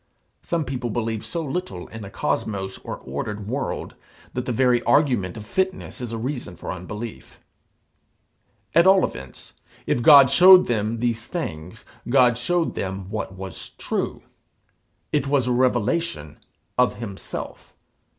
Some people believe so little in a cosmos or ordered world, that the very argument of fitness is a reason for unbelief. At all events, if God showed them these things, God showed them what was true. It was a revelation of himself.